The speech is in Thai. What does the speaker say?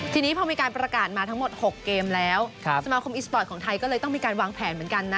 ทีนี้พอมีการประกาศมาทั้งหมด๖เกมแล้วสมาคมอีสปอร์ตของไทยก็เลยต้องมีการวางแผนเหมือนกันนะ